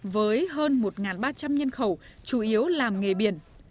với hơn một ba trăm linh nhân khẩu chủ yếu làm nghề biển